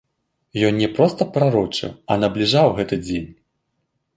Ён не проста прарочыў, а набліжаў гэты дзень.